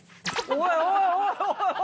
おいおいおい！